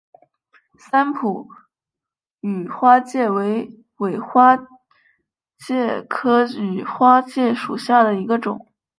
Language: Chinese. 三浦羽花介为尾花介科羽花介属下的一个种。